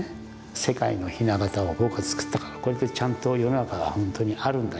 世界の「ひな形」を僕は作ったからこれでちゃんと世の中が本当にあるんだよ。